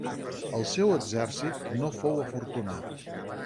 El seu exèrcit no fou afortunat.